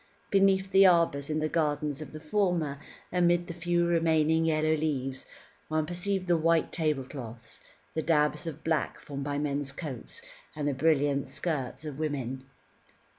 Beneath the arbours in the gardens of the former, amid the few remaining yellow leaves, one perceived the white tablecloths, the dabs of black formed by men's coats, and the brilliant skirts of women.